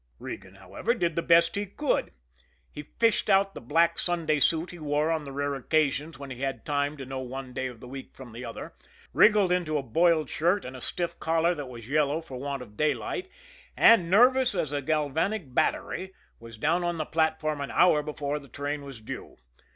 Regan, however, did the best he could. He fished out the black Sunday suit he wore on the rare occasions when he had time to know one day of the week from the other, wriggled into a boiled shirt and a stiff collar that was yellow for want of daylight, and, nervous as a galvanic battery, was down on the platform an hour before the train was due.